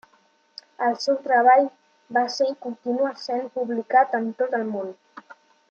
El seu treball va ser i continua sent publicat en tot el món.